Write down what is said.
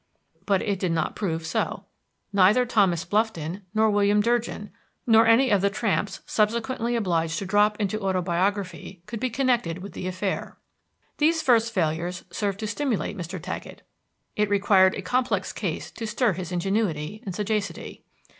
But it did not prove so. Neither Thomas Blufton, nor William Durgin, nor any of the tramps subsequently obliged to drop into autobiography could be connected with the affair. These first failures served to stimulate Mr. Taggett; it required a complex case to stir his ingenuity and sagacity.